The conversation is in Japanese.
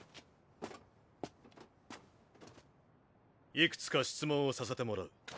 いくつか質問をさせてもらう。